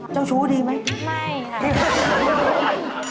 เจ้าชู้ดีไหม